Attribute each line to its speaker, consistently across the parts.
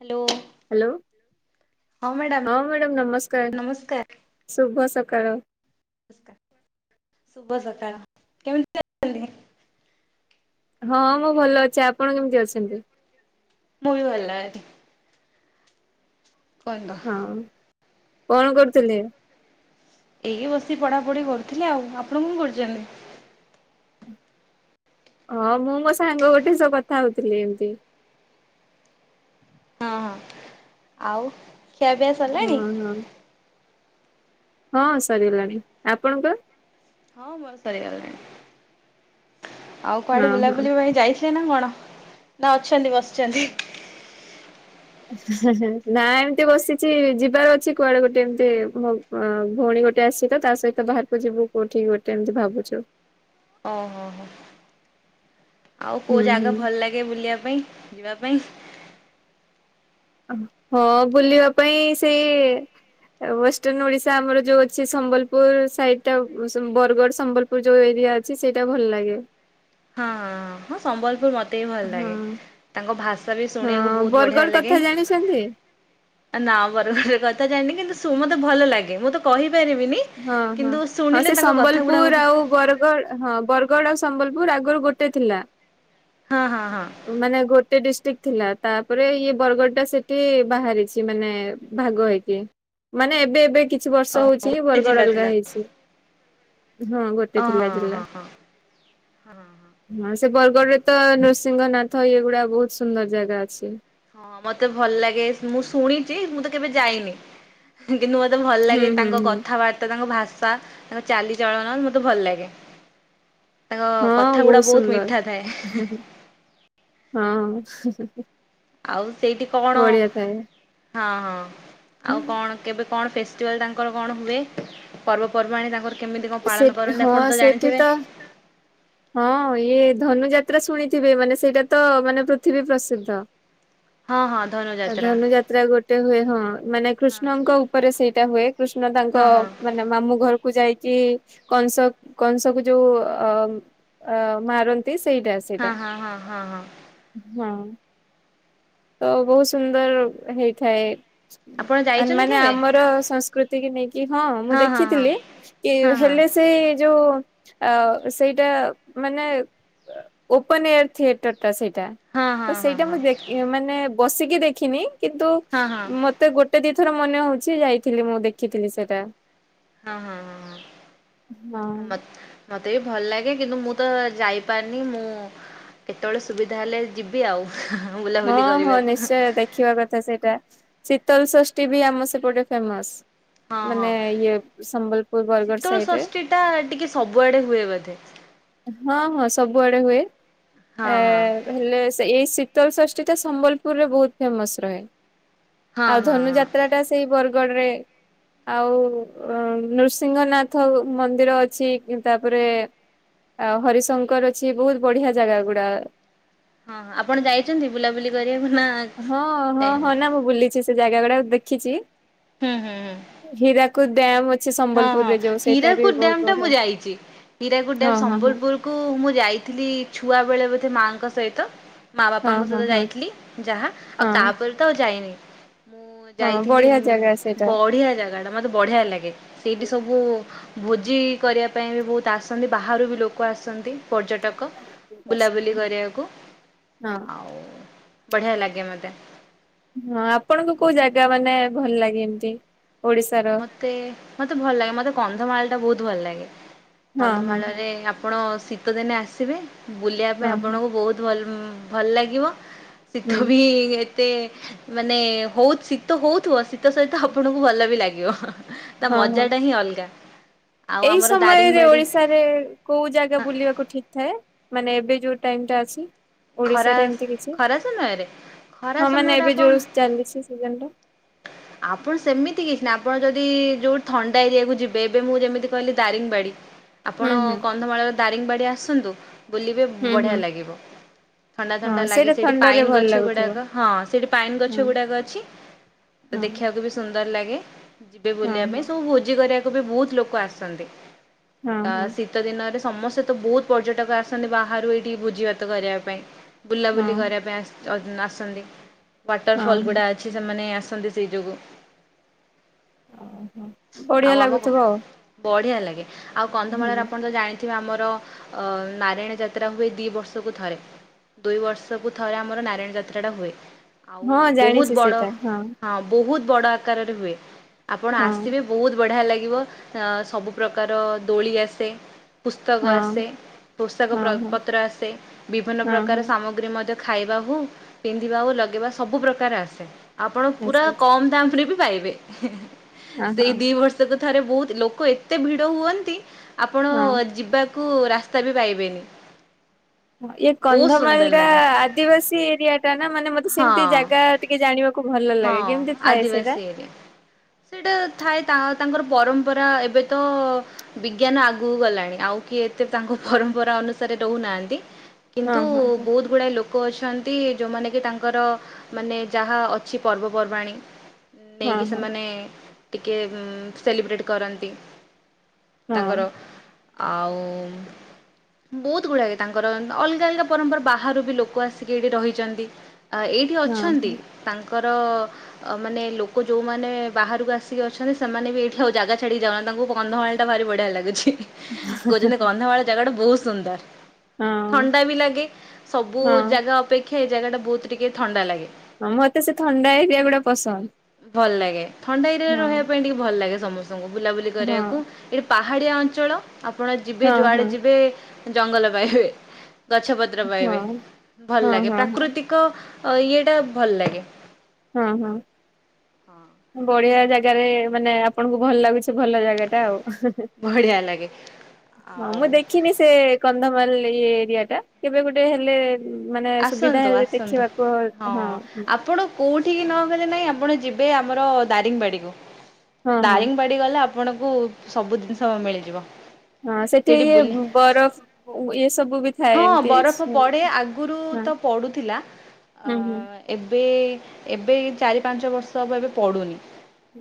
Speaker 1: Hello.
Speaker 2: Hello ହଁ madam ନମସ୍କାର ଶୁଭ ସକାଳ।
Speaker 1: ଶୁଭ ସକାଳ କେମିତି ଅ
Speaker 2: ହଁ ମୁଁ ଭଲ ଅଛି ଆପଣ କେମିତି ଅଛନ୍ତି?
Speaker 1: ମୁବି ଭଲ ଅ ପଣ୍ଡ
Speaker 2: ହଁ କଣ କରୁଚନ୍ତି?
Speaker 1: ଏଇ ବସିକି ପଢ଼ା ପଢ଼ି କରୁଥିଲେ ଆଉ ଆପଣ କଣ କରୁଛନ୍ତି?
Speaker 2: ହଁ ମୁଁ ମୋ ସାଙ୍ଗ ଗୋଟେ ସହ କଥା ହଉଥିଲି ଏମିତି।
Speaker 1: ହଁ ହଁ ଆଉ ଖିଆ ପିଆ ସରିଲାଣି?
Speaker 2: ହଁ ହଁ ହଁ ସରିଗଲାଣି ଆପଣଙ୍କ?
Speaker 1: ହଁ ମୋର ସରିଗଲାଣି ଆଉ
Speaker 2: ହଁ
Speaker 1: କୁଆଡେ ବୁଲା
Speaker 2: ହଁ
Speaker 1: ବୁଲି ପାଇଁ ଯାଇ ଚେନା ନା କଣ ନା ଅଛନ୍ତି ବସିଚନ୍ତି?
Speaker 2: ନା ଏମତି ବସିଚି ଯିବାର ଅଛି କୁଆଡେ ଗୋଟେ ଏମିତି ହଉ ଅ ଭଉଣୀ ଗୋଟେ ଆସିତ ତା ସହିତ ବାହାରକୁ ଯିବୁ କୋଉଠି ଗୋଟେ ଏମିତି ଭାବୁଚୁ।
Speaker 1: ଓହୋ ହୋ। ଆଉ
Speaker 2: ହୁଁ
Speaker 1: କୋଉ
Speaker 2: ହୁଁ
Speaker 1: ଜାଗା ଭଲ ଲାଗେ ବୁଲିବା ପାଇଁ ଯିବା ପାଇଁ?
Speaker 2: ହଁ ବୁଲିବା ପାଇଁ ସେ ୱେଷ୍ଟର୍ଣ ଓଡିଶା ଆମର ଯୋଉ ଅଛି ସମ୍ବଲପୁର ସାଇଟା ବରଗଡ ସମ୍ବଲ [unintelligible] ଯୋଉ ଏରିଆ ଅଛି ସେଇଟା ଭଲ ଲାଗେ।
Speaker 1: ହଁ ହଁ ହଁ ହଁ ସମ୍ବଲପୁର ମତ ତେବି ଭଲ
Speaker 2: ହଁ
Speaker 1: ଲାଗେ ତାଙ୍କ ଭାଷା ବି ଶୁଣିବାକୁ
Speaker 2: ହଁ
Speaker 1: ବହୁତ ବଢିଆ
Speaker 2: ବରଗଡ
Speaker 1: ଲାଗେ।
Speaker 2: କଥା ଜାଣିଛନ୍ତି
Speaker 1: ଆ ନା ବରଗଡ଼ କଥା ଜାଣିନି କିନ୍ତୁ ସୋ ମତେ ଭଲ ଲାଗେ ମୁଁ ତ କହିପାରିବିନି।
Speaker 2: ହଁ ହଁ
Speaker 1: କିନ୍ତୁ
Speaker 2: ହଁ
Speaker 1: ଶୁଣିଲେ
Speaker 2: ସେ
Speaker 1: ତାଙ୍କ କଥା ଗୁଡା
Speaker 2: ସମ୍ବଲପୁର
Speaker 1: ମତେ
Speaker 2: ଆଉ ବର ଗଡ଼ ହଁ ବରଗଡ ଆଉ ସମ୍ବଲପୁର ଆଗରୁ ଗୋଟେ ଥିଲା।
Speaker 1: ହଁ ହଁ ହଁ।
Speaker 2: ମାନେ ଗୋଟେ ଡିଷ୍ଟିକ୍ ଥିଲା, ତାପରେ ଇଏ ବରଗଡ଼ ଟା ସେଠି ବାହାରିଛି ମାନେ ଭାଗ ହେଇକି ମାନେ ଏବେ ଏବେ କିଛି ବର୍ଷ ହଉଛି ହିଁ ବରଗଡ
Speaker 1: ଟେଜିଲ୍ଲା
Speaker 2: ଅଲଗା
Speaker 1: ଥିଲା।
Speaker 2: ହେଇଛି ହଁ ଗୋଟେ ଥିଲା ଜିଲ୍ଲା ହଁ ସେ ବରଗଡ଼ ରେ ତ ନୃସିଂହନାଥ ଇଏଗୁଡା ବହୁତ ସୁନ୍ଦର ଜାଗା ଅଛି।
Speaker 1: ହଁ ମତେ ଭଲ ଲାଗେ ମୁଁ ଶୁଣିଚି ମୁଁ ତ କେବେ ଯାଇନି। କିନ୍ତୁ ମତେ ଭଲ
Speaker 2: ହୁଁ
Speaker 1: ଲାଗେ
Speaker 2: ହୁଁ
Speaker 1: ତାଙ୍କ
Speaker 2: ହୁଁ
Speaker 1: କଥାବାର୍ତ୍ତା ତାଙ୍କ ଭାଷା ତାଙ୍କ ଚାଲିଚଳନ ମତେ ଭଲ ଲାଗେ। ତାଙ୍କ
Speaker 2: ହଁ
Speaker 1: କଥା ଗୁଡା ବହୁତ
Speaker 2: ସୁନ୍ଦର
Speaker 1: ମିଠା ଥାଏ।
Speaker 2: ହଁ।
Speaker 1: ଆଉ ସେଇଟି କଣ
Speaker 2: ବଢିଆ ଥାଏ।
Speaker 1: ହଁ ହଁ
Speaker 2: ହୁଁ,
Speaker 1: ଆଉ କଣ? କେବେ କଣ ଫେଷ୍ଟିଭାଲ୍ ତାଙ୍କର କଣ ହୁଏ? ପର୍ବପର୍ବାଣି ତାଙ୍କର କେମିତି କଣ
Speaker 2: ସେ
Speaker 1: ପାଳନ କରନ୍ତି
Speaker 2: ହଁ
Speaker 1: ଆପଣ ତ
Speaker 2: ସେଠି
Speaker 1: ଜାଣିଥିବେ?
Speaker 2: ହଁ ଇଏ ଧନୁ ଯାତ୍ରା ଶୁଣିଥିବେ ମାନେ ସେଇଟା ତ ମାନେ ପୃଥିବୀ ପ୍ରସିଦ୍ଧ।
Speaker 1: ହଁ ହଁ ଧ
Speaker 2: ଆ ଧନୁଯାତ୍ରା ଗୋଟେ ହୁଏ ହଁ ମାନେ
Speaker 1: ହଁ ହଁ
Speaker 2: କୃଷ୍ଣଙ୍କ ଉପରେ ସେଇଟା ହୁଏ କୃଷ୍ଣ ତାଙ୍କ
Speaker 1: ହଁ ହଁ
Speaker 2: ମାନେ ମାମୁଁ ଘରକୁ ଯାଇକି କଂସ କଂସ କୁ ଯୋଉ ଅ ଅ ମାରନ୍ତି ସେଇଟା।
Speaker 1: ହଁ, ହଁ, ହଁ, ହଁ, ହଁ।
Speaker 2: ହୁଁ। ତ ବହୁତ ସୁନ୍ଦର ହେଇଥାଏ।
Speaker 1: ଆପଣ
Speaker 2: ଆନ୍‌
Speaker 1: ଯାଇଛନ୍ତି
Speaker 2: ମାନେ
Speaker 1: କେବେ?
Speaker 2: ଆମର ସଂସ୍କୃତି ଏତିକି ନେଇକି ହଁ ମୁଁ
Speaker 1: ହଁ ହଁ
Speaker 2: ଦେଖିଥିଲି କି
Speaker 1: ହଁ ହଁ।
Speaker 2: ହେଲେ ସେ ଯୋଉ ଆ ସେଇଟା ମାନେ ଓପନ ଏୟାର ଥିଏଟର ଟା ସେଇଟା।
Speaker 1: ହଁ
Speaker 2: ତ
Speaker 1: ହଁ ହଁ
Speaker 2: ସେଇଟା
Speaker 1: ହଁ
Speaker 2: ମୁଁ ଦେଖ ମାନେ ବସିକି ଦେଖିନି କିନ୍ତୁ
Speaker 1: ହଁ ହଁ ହଁ
Speaker 2: ମତ୍ ତେ ଗୋଟେ ଦିଥର ମନେ ହଉଛି ଯାଇଥିଲି ମୁଁ ଦେଖିଥିଲି ସେଇଟା।
Speaker 1: ହଁ ହଁ ହଁ ହଁ ମତ୍ ମତେ ବି ଭଲ ଲାଗେ କିନ୍ତୁ ମୁଁ ତ ଯାଇପାରିନି ମୁଁ କେତବେଳେ ସୁବିଧା ହେଲେ ଯିବି ଆଉ
Speaker 2: ହଁ
Speaker 1: ବୁଲାବୁଲି
Speaker 2: ହଁ
Speaker 1: କରିବାକୁ।
Speaker 2: ନିଶ୍ଚୟ ଦେଖ୍ ଖିବା କଥା ସେଇଟା ଶୀତଲଷଷ୍ଠୀ ବି ଆମ ସେପଟେ ଫେମସ୍।
Speaker 1: ହଁ
Speaker 2: ମାନେ
Speaker 1: ହଁ
Speaker 2: ଇଏ ସମ୍ବଲପୁର, ବରଗଡ଼
Speaker 1: ଶୀତଳ
Speaker 2: ସାଇଡରେ।
Speaker 1: ଷଷ୍ଠୀ ଟା ଟିକେ ସବୁଆଡେ ହୁଏ ବୋଧେ।
Speaker 2: ହଁ ହଁ ସବୁଆଡେ ହୁଏ। ଏ
Speaker 1: ହଁ ହଁ
Speaker 2: ହେଲେ ସେଇ ସି ଶୀତଳ ଷଷ୍ଠୀଟା ସମ୍ବଲପୁରରେ ବହୁତ ଫେମସ୍ ରହେ।
Speaker 1: ହଁ
Speaker 2: ଆଉ
Speaker 1: ହଁ ହଁ
Speaker 2: ଧନୁଯାତ୍ରାଟା ସେଇ ବରଗଡ଼ରେ ଆଉ ନୃସିଂହନାଥ ମନ୍ଦିର ଅଛି। ତାପରେ ଆଉ ହରିଶଙ୍କର ଅଛି, ବହୁତ ବଢିଆ ଜାଗା ଗୁଡା।
Speaker 1: ହଁ-ହଁ ଆପଣ ଯାଇଛନ୍ତି ବୁଲାବୁଲି କରିବାକୁ ନା ଯାଇନା
Speaker 2: ହଁ-ହଁ-ହଁ ନା ମୁଁ ବୁଲିଛି, ସେ ଜାଗା ଗୁଡାକ ଦେଖିଛି।
Speaker 1: ହୁଁ-ହୁଁ-ହୁଁ।
Speaker 2: ହୀରାକୁଦ ଡ୍ୟାମ୍ ଅ
Speaker 1: ହଁ-ହଁ ହୀରାକୁଦ ଡ୍ୟାମ୍ ଟା ମୁଁ ଯାଇଛି, ହୀରାକୁଦ
Speaker 2: ହଁ
Speaker 1: ଡ୍ୟାମ୍
Speaker 2: ହଁ ହଁ।
Speaker 1: ସମ୍ବଲପୁର କୁ ମୁଁ ଯାଇଥିଲି ଛୁଆ ବେଳେ ବୋଧେ ମାଆଙ୍କ ସହିତ। ମାଆ
Speaker 2: ହଁ
Speaker 1: ବାପାଙ୍କ
Speaker 2: ହଁ
Speaker 1: ସହିତ
Speaker 2: ହଁ
Speaker 1: ଯାଇଥିଲି ଯାହା ଆଉ
Speaker 2: ହଁ
Speaker 1: ତାପରେ ତ ଆଉ ଯାଇନି। ମୁଁ
Speaker 2: ହଁ
Speaker 1: ଯାଇଥିଲି
Speaker 2: ବଢିଆ ଜାଗା ସେଇଟା।
Speaker 1: ବଢିଆ ଜାଗାଟା ମତେ ବଢିଆ ଲାଗେ।
Speaker 2: ହୁଁ
Speaker 1: ସେଇଠି
Speaker 2: ହୁଁ
Speaker 1: ସବୁ ଭୋଜି କରିବା ପାଇଁ ବି ବହୁତ ଆସନ୍ତି, ବାହାରୁ ବି ଲୋକ ଆସନ୍ତି ପର୍ଯ୍ୟଟକ କ,
Speaker 2: ହଁ ବହୁତ ଆସନ୍ତି
Speaker 1: ବୁଲାବୁଲି କରିବାକୁ
Speaker 2: ହଁ।
Speaker 1: ଆଉ ବଢିଆ ଲାଗେ ମତେ।
Speaker 2: ହଁ ଆପଣଙ୍କୁ କୋଉ ଜାଗା ମାନେ ଭଲ ଲାଗେ ଏମତି ଓଡିଶାର?
Speaker 1: ତେ-ଏ-ଏ ମତେ ଭଲ ଲାଗେ ମତେ କନ୍ଧମାଳଟା ବହୁତ ଭଲ ଲାଗେ।
Speaker 2: ହଁ ହଁ ହଁ
Speaker 1: କନ୍ଧମାଳରେ ଆପଣ ଶୀତଦିନେ ଆସିବେ ବୁଲିବା ପାଇଁ
Speaker 2: ହଁ ହଁ
Speaker 1: ଆପଣଙ୍କୁ ବହୁତ୍ ଭଲ୍-ଭଲ୍ ଲାଗିବ
Speaker 2: ହୁଁ
Speaker 1: ଶୀତ ବି ଏ ଏତେ ମାନେ ହଉ ଶୀତ ହଉଥିବ, ଶୀତ ସହିତ ଆପଣଙ୍କୁ ଭଲ ବି ଲାଗିବ ହଁ-ହଁ। ତା
Speaker 2: ହଁ ହଁ।
Speaker 1: ମଜାଟା ହିଁ ଅଲଗା। ଆଉ
Speaker 2: ଏଇ
Speaker 1: ଆମର
Speaker 2: ସମୟରେ
Speaker 1: ଦାରିଙ୍ଗବାଡ଼ି
Speaker 2: ଓଡିଶାରେ କୋଉ ଜାଗା ବୁଲିବାକୁ ଠିକ୍ ଥାଏ? ମାନେ ଏବେ ଯୋଉ ଟାଇମ୍ ଟା ଅଛି।
Speaker 1: ଖରା
Speaker 2: ଓଡ଼ିଶାରେ ଏମିତି କିଛି,
Speaker 1: ଖରା ସମୟରେ ଖରା
Speaker 2: ହଁ ମାନେ
Speaker 1: ସମୟରେ
Speaker 2: ଏବେ
Speaker 1: ଆପଣ
Speaker 2: ଜୋଉ ଚାଲିଛି ସିଜିନ୍ ଟା।
Speaker 1: ଆପଣ ସେମିତି କିଛି ନାହିଁ ଆପଣ ଯଦି ଯୋଉଠି ଥଣ୍ଡା ଏରିଆକୁୁ ଯିବେ, ଏବେ ମୁଁ ଯେମିତି କହିଲି ଦାରିଙ୍ଗବାଡି।
Speaker 2: ହୁଁ
Speaker 1: ଆପଣ
Speaker 2: ହୁଁ
Speaker 1: କନ୍ଧମାଳର ଦାରିଙ୍ଗବାଡ଼ି ଆସନ୍ତୁ, ବୁଲିବେ
Speaker 2: ହୁଁ ହୁଁ
Speaker 1: ବଢ଼ିଆ ଲାଗିବ।
Speaker 2: ହଁ
Speaker 1: ଥଣ୍ଡା-ଥଣ୍ଡା ଲାଗେ
Speaker 2: ସେଇଟା
Speaker 1: ସେଇଠି
Speaker 2: ଥଣ୍ଡାରେ
Speaker 1: ପାଇନ୍
Speaker 2: ଭଲ
Speaker 1: ଗଛ
Speaker 2: ଲାଗୁଥିବ।
Speaker 1: ଗୁଡାକ, ହଁ ସେଇଠି ପାଇନ୍
Speaker 2: ହଁ
Speaker 1: ଗଛ ଗୁଡାକ ଅଛି।
Speaker 2: ହଁ
Speaker 1: ଦେଖିବାକୁ ବି ସୁନ୍ଦର ଲାଗେ, ଯିବେ
Speaker 2: ହଁ
Speaker 1: ବୁଲିବା ପାଇଁ
Speaker 2: ହଁ
Speaker 1: ସବୁ ଭୋଜି କରିବାକୁ ବି ବହୁତ ଲୋକ ଆସନ୍ତି
Speaker 2: ହଁ
Speaker 1: ଆ
Speaker 2: ହଁ
Speaker 1: ଶୀ ଶୀତ ଦିନରେ ସମସ୍ତେ ତ ବହୁତ ପର୍ଯ୍ୟଟକ ଆସନ୍ତି ବାହାରୁ ଏଇଠି ଭୋଜି ଭାତ କରିବା ପାଇଁ। ବୁଲାବୁଲି
Speaker 2: ହଁ
Speaker 1: କରିବା ପାଇଁ ଆସ୍ ଅ ଆସନ୍ତି, ୱାଟର
Speaker 2: ହଁ
Speaker 1: ଫଲ୍
Speaker 2: ହଁ।
Speaker 1: ଗୁଡା ଅଛି ସେମାନେ ଆସନ୍ତି ସେଇ ଯୋଗୁଁ,
Speaker 2: ହଁ ବଢିଆ
Speaker 1: ଆଉ ଆମ
Speaker 2: ଲାଗୁଥିବ ଆଉ
Speaker 1: ବଢିଆ ଲାଗେ। ଆଉ କନ୍ଧମାଳରେ
Speaker 2: ହୁଁ।
Speaker 1: ଆପଣ ତ ଜାଣି ଏଠି ବି ଆମର ଅ-ଅ ନାରାୟଣ ଯାତ୍ରା ହୁଏ ଦି ବର୍ଷକୁ ଥରେ। ଦୁଇ ବର୍ଷକୁ ଥରେ ଆମର ନାରାୟଣ ଯାତ୍ରାଟା ହୁଏ ଆଉ
Speaker 2: ହଁ ଜାଣିଛି
Speaker 1: ବହୁତ୍ ବଡ
Speaker 2: ସେଇଟା
Speaker 1: ହଁ ବହୁତ୍ ବଡ ଆକାରରେ ହୁଏ, ଆପଣ
Speaker 2: ହଁ
Speaker 1: ଆସିବେ ବହୁତ୍ ବଢ଼ିଆ ଲାଗିବ ସବୁ ପ୍ରକାର ଦୋଳି ଆସେ।
Speaker 2: ହଁ
Speaker 1: ପୁସ୍ତକ ଆସେ, ପୋଷାକ
Speaker 2: ହଁ
Speaker 1: ପ୍ର
Speaker 2: ହଁ
Speaker 1: ପତ୍ର ଆସେ, ବିଭିନ୍ନ
Speaker 2: ହଁ
Speaker 1: ପ୍ରକାର
Speaker 2: ହଁ।
Speaker 1: ସାମ ଗ୍ରୀ ମଧ୍ଯ ଖାଇବାକୁ ପିନ୍ଧିବାକୁ ଲଗେଇବା ସବୁ ପ୍ରକାର ଆସେ, ଆପଣ ପୁରା
Speaker 2: ଆଚ୍ଛା ଆଚ୍ଛା
Speaker 1: କମ୍ ଦାମ୍ ରେ ବି ପାଇବେ ହେ-ହେ
Speaker 2: ହଁ
Speaker 1: ସେଇ
Speaker 2: ହଁ
Speaker 1: ଦି ବର୍ଷ୍ [inaudible] ଥରେ ବହୁତ ଲୋକ ଏତେ ଭିଡ ହୁଅନ୍ତି ଆପଣ
Speaker 2: ହଁ।
Speaker 1: ଯିବା କୁ-ଉ ରାସ୍ତା ବି ପାଇବେନି।
Speaker 2: ଇଏ
Speaker 1: ବହୁତ ସୁନ୍ଦର
Speaker 2: କନ୍ଧମାଳଟା
Speaker 1: ଲାଗେ
Speaker 2: ଆଦିବାସୀ ଏରିଆଟା ନା? ମାନେ ମତେ
Speaker 1: ହଁ
Speaker 2: ସେମତି ଜାଗା ଟିକେ ଜାଣିବାକୁ ଭଲ ଲାଗେ,
Speaker 1: ହଁ
Speaker 2: କେମିତି ଥାଏ
Speaker 1: ଆଦିବାସୀ
Speaker 2: ସେଇଟା?
Speaker 1: ଏରିଆ। ସେଇଟା ଥାଏ ତାହା ତାଙ୍କର ପରମ୍ପରା ଏବେ ତ ବିଜ୍ଞାନ ଆଗକୁ ଗଲାଣି, ଆଉ କିଏ ଏତେ ତାଙ୍କ ପରମ୍ପରା ଅନୁସାରେ ରହୁନାହାନ୍ତି।
Speaker 2: ହଁ
Speaker 1: କିନ୍ତୁ
Speaker 2: ହଁ ହଁ
Speaker 1: ବହୁତ ଗୁଡ଼ାଏ ଲୋକ ଅଛନ୍ତି, ଯୋଉମାନେ କି ତାଙ୍କର ମାନେ ଯାହା ଅ କିଛି ପର୍ବପର୍ବାଣି ନେଇକି
Speaker 2: ହଁ
Speaker 1: ସେମାନେ ଟିକଏ ସେଲିବ୍ରେଟ୍ କରନ୍ତି
Speaker 2: ହଁ
Speaker 1: ତାଙ୍କର। ଆଉ ବହୁତ୍ ଗୁଡାକ ତାଙ୍କର ଅଲଗା-ଅଲଗା ପରମ୍ପରା, ବାହାରୁ ବି ଲୋକ ଆସିକି ଏଇଠି ରହିଚନ୍ତି। ଏଇଠି
Speaker 2: ହଁ
Speaker 1: ଅଛନ୍ତି
Speaker 2: ହଁ
Speaker 1: ତାଙ୍କର ଅ ମାନେ ଲୋକ ଯୋଉମାନେ ବାହାରକୁ ଆସିକି ଅଛନ୍ତି ସେମାନେ ବି ଏଇଠି ଆଉ ଜାଗା ଛାଡିକି ଯାଉନାହାନ୍ତି, ତାଙ୍କୁ କନ୍ଧମାଳ ଭାରି ବଢିଆ ଲାଗୁଛି, କହୁଛନ୍ତି କନ୍ଧମାଳ ଜାଗାଟା ବହୁତ୍ ସୁନ୍ଦର୍।
Speaker 2: ହଁ
Speaker 1: ଥଣ୍ଡା ବି ଲାଗେ, ସବୁ
Speaker 2: ହଁ
Speaker 1: ଜାଗା ଅପେକ୍ଷା ଏଇ ଜାଗାଟା ବହୁତ୍ ଟିକେ ଥଣ୍ଡା ଲାଗେ।
Speaker 2: ହଁ ମତେ ସେ ଥଣ୍ଡା ଏରିଆ ଗୁଡା ପସନ୍ଦ।
Speaker 1: ଭଲ ଲାଗେ। ଥଣ୍ଡା ଏରିଆରେ ରହିବା
Speaker 2: ହଁ
Speaker 1: ପାଇଁ ଟିକେ ଭଲ ଲାଗେ ସମସ୍ତଙ୍କୁ ବୁଲାବୁଲି
Speaker 2: ହଁ
Speaker 1: କରିବାକୁ ଏଇଠି ପାହାଡିଆ ଅଞ୍ଚଳ, ଆପଣ ଯିବେ
Speaker 2: ହଁ
Speaker 1: ଯୁଆଡେ
Speaker 2: ହଁ
Speaker 1: ଯିବେ ଜଙ୍ଗଲ ପାଇବେ। ଗଛପତ୍ର
Speaker 2: ହଁ
Speaker 1: ପାଇବେ। ଭଲ
Speaker 2: ହଁ
Speaker 1: ଲାଗେ
Speaker 2: ହଁ ହଁ
Speaker 1: ପ୍ରାକୃତିକ ଇଏଟା ଭଲ ଲାଗେ।
Speaker 2: ହଁ-ହଁ।
Speaker 1: ହଁ।
Speaker 2: ବଢିଆ ଜାଗାରେ, ମାନେ ଆପଣଙ୍କୁ ଭଲ ଲାଗୁଛି ଭଲ ଜାଗା ଟା ଆଉ। ହେ ହେ
Speaker 1: ବଢ଼ିଆ ଲାଗେ
Speaker 2: ହଁ
Speaker 1: ଆଉ
Speaker 2: ମୁଁ ଦେଖିନି ସେ କନ୍ଧମାଲ ଏରିଆ ଟା। କେବେ ଗୋଟେ ହେଲେ ମାନେ ସୁବିଧା
Speaker 1: ଆସନ୍ତୁ
Speaker 2: ହେଲେ ଦେଖିବାକୁ ହଁ
Speaker 1: କୋଉଠିିକି ନ ଗଲେ ନାଇଁ, ଆପଣ ଯିବେ ଆମର ଦାରିଙ୍ଗବାଡି କୁ।
Speaker 2: ହଁ ହଁ
Speaker 1: ଦାରିଙ୍ଗବାଡି ଗଲେ ଆପଣଙ୍କୁ ସବୁ ଜିନିଷ ମିଳିଯିବ।
Speaker 2: ହଁ ସେଠି
Speaker 1: ସେଇଠି
Speaker 2: ଇଏ
Speaker 1: ବୁଲି
Speaker 2: ବରଫ ଇ ସବୁ ଥାଏ
Speaker 1: ହଁ
Speaker 2: ଏମିତି
Speaker 1: ବରଫ ପଡେ, ଆଗରୁ
Speaker 2: ହଁ
Speaker 1: ତ ପଡୁଥିଲା। ଅ
Speaker 2: ହୁଁ ହୁଁ
Speaker 1: ଏବେ, ଏବେ ଚାରି ପାଞ୍ଚ ବର୍ଷ ହେବ ଏବେ ପଡ଼ୁନି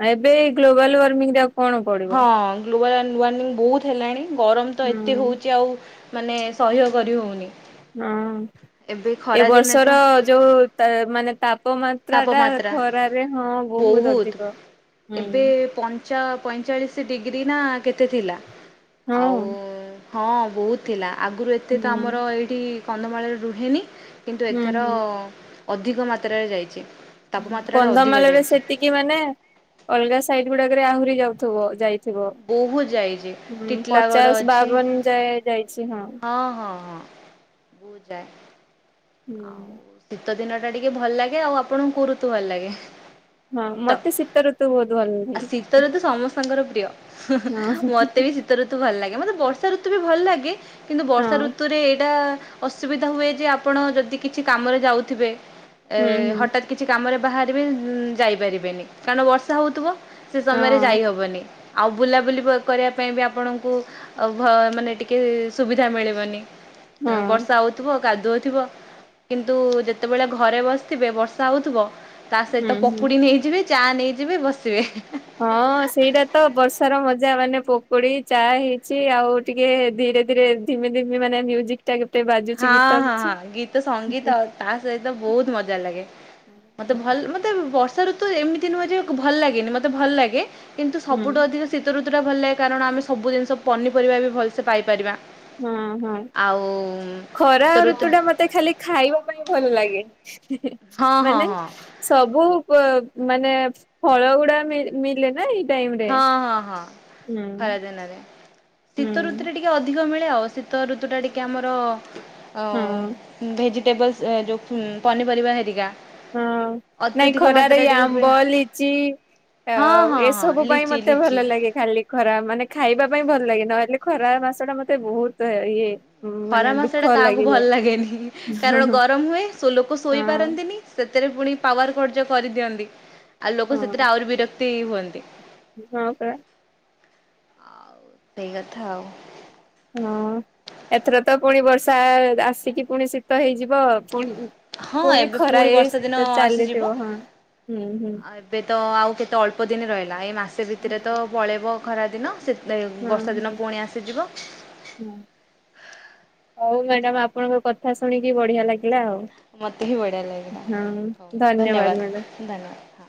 Speaker 2: ଆ ଏବେ ଗଲୋବାଲ୍ ୱାର୍ମିଂରେ କଣ ପଡିବ
Speaker 1: ହଁ ଗ୍ଲୋବାଲ ୱାର୍ମିଂ ବହୁତ ହେଲାଣି, ଗରମ ତ
Speaker 2: ହୁଁ
Speaker 1: ଏତେ ହଉଛି ଆଉ ମାନେ ସହ୍ୟ କରି ହଉନି।
Speaker 2: ହଁ।
Speaker 1: ଏବେ
Speaker 2: ଏ
Speaker 1: ଖରାଦିନେ ତ
Speaker 2: ବର୍ଷର ଯୋଉ, ମାନେ ତାପ ମାତ୍ରା ଟା
Speaker 1: ତାପମାତ୍ରା
Speaker 2: ଖରାରେ ହଁ ବହୁତ ଅଧିକ। ହୁଁ
Speaker 1: ଏବେ ପଞ୍ଚା ପଇଁଚାଳିଶ ଡିଗ୍ରୀ ନା କେତେ ଥିଲା।
Speaker 2: ହଁ
Speaker 1: ଆଉ ହଁ ବହୁତ ଥିଲା। ଆଗରୁ ଏତେ
Speaker 2: ହୁଁ
Speaker 1: ତ ଆମର ଏଇଠି କନ୍ଧମାଳରେ ରୁହେନି। କିନ୍ତୁ
Speaker 2: ହୁଁ
Speaker 1: ଏଥର
Speaker 2: ହୁଁ
Speaker 1: ଅଧିକ ମାତ୍ରାରେ ଯାଇଛି। ତାପମାତ୍ରାଟା ଅଧିକ
Speaker 2: କନ୍ଧମାଳରେ
Speaker 1: ଯାଇଛି
Speaker 2: ସେତିକି ମାନେ, ଅଲଗା ସାଇଡ ଗୁଡାକରେ ଆହୁରି ଯାଉଥିବ। ଯାଇ ଥିବ
Speaker 1: ବହୁତ ଯାଇଛି
Speaker 2: ହଁ
Speaker 1: ଟିଟଲାଗଡ଼
Speaker 2: ପଚାଶ,
Speaker 1: ଅଛି
Speaker 2: ବାବନ ଯାଏ ଯାଇଛି। ହଁ
Speaker 1: ହଁ ହଁ ହଁ ବୁଝ
Speaker 2: ହୁଁ।
Speaker 1: ଶୀତ ଦିନ ଟା ଟିକେ ଭଲ ଲାଗେ। ଆଉ ଆପଣଙ୍କୁ କ ଋତୁ ଭଲ ଲାଗେ?
Speaker 2: ହଁ
Speaker 1: ଶୀତ,
Speaker 2: ମତେ ଶୀତ ଋତୁ ବହୁତ ଭଲ ଲାଗେ
Speaker 1: ଆ ଶୀତ ଋତୁ ସମସ୍ତଙ୍କର ପ୍ରିୟ।
Speaker 2: ହଁ
Speaker 1: ମତେ ବି ଶୀତ ଋତୁ ତୁ ଭଲ ଲାଗେ। ମତେ ବର୍ଷା ଋତୁ ବି ଭଲ ଲାଗେ, କିନ୍ତୁ ବର୍ଷା
Speaker 2: ହଁ
Speaker 1: ଋତୁରେ ଏଇଟା ଅସୁବିଧା ହୁଏ ଯେ, ଆପଣ ଯଦି କିଛି କାମରେ ଯାଉଥିବେ, ଏ
Speaker 2: ହୁଁ ହୁଁ।
Speaker 1: ହଠାତ୍ କିଛି କାମରେ ବାହାରିବି, ଯାଇପାରିବେନି, କାରଣ ବର୍ଷା ହଉଥିବ। ସେ ସମୟରେ
Speaker 2: ହଁ
Speaker 1: ଯାଇହବନି, ଆଉ ବୁଲାବୁଲି କରିବା ପାଇଁ ବି ଆପଣଙ୍କୁ ଆଉ ଭ ମାନେ ଟିକେ ସୁବିଧା ମିଳିବନି।
Speaker 2: ହଁ
Speaker 1: ବର୍ଷା ହଉଥିବ, କାଦୁଅ ଥିବ। କିନ୍ତୁ ଯେତେବେଳେ ଘରେ ବସିଥିବେ, ବର୍ଷା ହଉଥିବ, ତା
Speaker 2: ହୁଁ
Speaker 1: ସହିତ
Speaker 2: ହୁଁ।
Speaker 1: ପକୁଡି ନେଇଯିବେ। ଚା ନେଇଯିବି ବସିବେ
Speaker 2: ହଁ ସେଇଟା ତ ବର୍ଷାର ମଜା ମାନେ ପୋକୋଡି ଚା ହେଇଛି ଆଉ ଟିକେ ଧୀରେ ଧୀରେ ଧିମେ ଧମେ ମାନେ ମ୍ୟୁଜିକ ଟାଇକେ ଟି ବା
Speaker 1: ହଁ ହଁ ହଁ ଗୀତ ସଙ୍ଗୀତ ଆଉ ତା ସହିତ ବହୁତ ମଜା ଲାଗେ। ମତେ ଭଲ ମତେ ବର୍ଷା ଋତୁ ଏମିତି ନୁହେଁ ଯେ ଭଲ ଲାଗେନି ମତେ ଭଲ ଲାଗେ କିନ୍ତୁ
Speaker 2: ହୁଁ
Speaker 1: ସବୁଠୁ ଅଧିକ ଶୀତ ଋତୁ ଟା ଭଲ ଲାଗେ କାରଣ ଆମେ ସବୁ ଜିନିଷ ପନିପରିବା ବି ଭଲସେ ପାଇପାରିବା।
Speaker 2: ହଁ ହଁ।
Speaker 1: ଆଉ
Speaker 2: ଖରା ଋତୁ ଟା ମତେ ଖାଲି ଖାଇବା ପାଇଁ ଭଲ ଲାଗେ,
Speaker 1: ହଁ ହଁ
Speaker 2: ମାନେ
Speaker 1: ହଁ
Speaker 2: ସବୁ ମାନେ ଫଳ ଗୁଡା ମିଳେ ମିଲେ ନାଇଁ?
Speaker 1: ହଁ ହଁ ହଁ ଖରାଦିନରେ,
Speaker 2: ହୁଁ
Speaker 1: ଶୀତଋତୁରେ ଟିକ ଟିକେ ଅଧିକ ମିଳେ ଆଉ ଶୀତ ଋତୁ ଟା ଟିକେ ଆମର
Speaker 2: ହଁ
Speaker 1: ଭେଜିଟେବଲ୍ସ ଏ ଯୋଉ ପନିପରିବା ହେରିକା
Speaker 2: ହଁ ନାଇଁ
Speaker 1: ଅତ୍ୟଧିକ
Speaker 2: ଖରାରେ
Speaker 1: ମାତ୍ରାରେ
Speaker 2: ଇଏ
Speaker 1: ଟିକେ ହୁଏ।
Speaker 2: ଆମ୍ବ ଲିଚି ଆ
Speaker 1: ହଁ ହଁ ହଁ
Speaker 2: ଏସବୁ ବୁ ପାଇଁ
Speaker 1: ଲିଚି
Speaker 2: ମତେ
Speaker 1: ଲିଚି
Speaker 2: ଭଲ ଲାଗେ। ଖାଲି ଖରା ମାନେ ଖାଇବା ପାଇଁ ଭଲ ଲାଗେ ନହଲେ ଖରା ମାସ ଟା ମତେ ବହୁତ ଇଏ
Speaker 1: ଖରା
Speaker 2: ମାନେ
Speaker 1: ମାସ ଟା
Speaker 2: ଦୁଃଖ
Speaker 1: କାହାକୁ ଭଲ
Speaker 2: ଲାଗିଯାଏ।
Speaker 1: ଲାଗେନି କାରଣ
Speaker 2: ହଁ
Speaker 1: ଗରମ ହୁଏ ସୋ ଲୋକ
Speaker 2: ହଁ
Speaker 1: ଶୋଇ ପାରନ୍ତିନି। ସେଥିରେ ପୁଣି ପାୱାର କର୍ଟ ଯୋଉ କରିଦିଅନ୍ତି ଆଉ ଲୋକ ସେଥିରେ
Speaker 2: ହଁ
Speaker 1: ଆହୁରି ବିରକ୍ତି ହୁଅନ୍ତି।
Speaker 2: ହଁ ପରା।
Speaker 1: ଆ ସେଇ କଥା ଆଉ।
Speaker 2: ହଁ ଏଥର ତ ପୁଣି ବର୍ଷା ଆସିକି ପୁଣି ଶୀତ ହେଇଯିବ ପୁଣି
Speaker 1: ହଁ
Speaker 2: ପୁଣି
Speaker 1: ଏବେ
Speaker 2: ଖରା ଏ
Speaker 1: ବର୍ଷା ଦିନ
Speaker 2: ତ
Speaker 1: ଆସିଯିବ
Speaker 2: ଚାଲିଥିବ ହଁ ହୁଁ ହୁଁ।
Speaker 1: ଆଉ ଏବେ ତ ଆଉ କେତେ ଅଳ୍ପ ଦିନ ରହିଲା ଏଇ ମାସେ ଭିତରେ ତ ପଳେଇବ ଖରା ଦିନ ସେ ଲେ ବର୍ଷା ଦିନ ପୁଣି ଆସିଯିବ।
Speaker 2: ହୁଁ ହଉ ମ୍ୟାଡାମ ଆପଣଙ୍କ କଥା ଶୁଣିକି ବଢିଆ ଲାଗିଲା ଆଉ।
Speaker 1: ମୋତେ ବି ବଢିଆ ଲାଗିଲା
Speaker 2: ହଁ
Speaker 1: ହଉ ଧନ୍ୟବାଦ
Speaker 2: ମ୍ୟାଡାମ।
Speaker 1: ଧନ୍ୟବାଦ। ହଁ